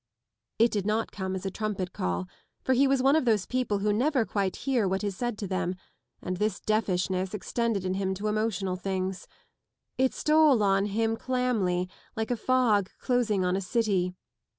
It did not come as a trumpet call, for he was one of those people who never quite hear what is said to them, and this deafishness extended In him to emotional things. It stole on him clamly, like a fog closing on a city.